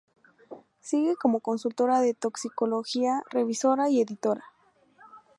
Sigue como consultora de toxicología, revisora y editora.